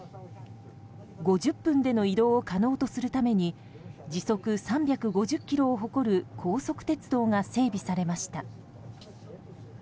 ５０分での移動を可能とするために時速３５０キロを誇る高速鉄道が整備されました。